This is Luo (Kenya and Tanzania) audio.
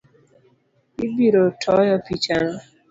Ibirotoyo pichano